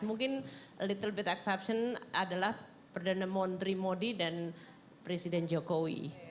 mungkin little bit exception adalah perdana menteri modi dan presiden jokowi